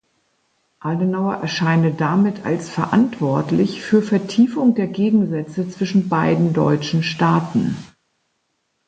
Adenauer erscheine damit als verantwortlich für Vertiefung der Gegensätze zwischen beiden deutschen Staaten.